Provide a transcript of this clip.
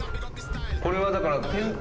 これはだからねえ